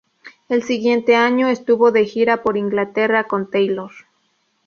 El siguiente año estuvo de gira por Inglaterra con Taylor.